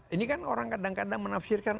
ini kan orang kadang kadang menafsirkan